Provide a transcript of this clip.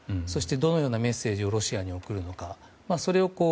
そしてどのようなメッセージをロシアに送るのか。